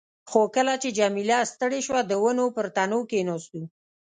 خو کله چې جميله ستړې شوه، د ونو پر تنو کښېناستو.